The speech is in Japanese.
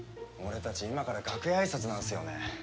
俺たち今から楽屋あいさつなんすよね。